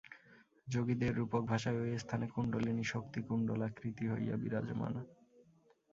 যোগীদের রূপক ভাষায় ঐ স্থানে কুণ্ডলিনী শক্তি কুণ্ডলাকৃতি হইয়া বিরাজমানা।